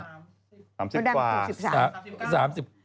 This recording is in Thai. น้องอ้ำ๓๐กว่า